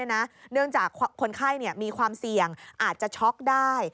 เนื่องจากคนไข้มีความเสี่ยงอาจจะช็อกได้